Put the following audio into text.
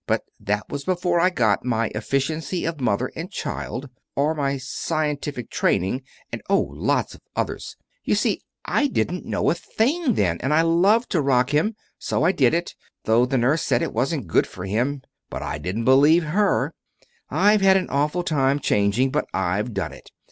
But that was before I got my 'Efficiency of Mother and Child,' or my 'Scientific Training,' and, oh, lots of others. You see, I didn't know a thing then, and I loved to rock him, so I did it though the nurse said it wasn't good for him; but I didn't believe her. I've had an awful time changing; but I've done it.